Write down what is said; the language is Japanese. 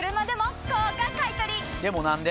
でも何で？